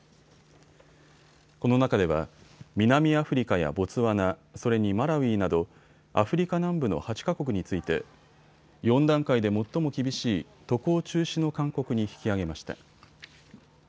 この中では南アフリカやボツワナ、それにマラウイなどアフリカ南部の８か国について４段階で最も厳しい渡航中止の勧告に引き上げました。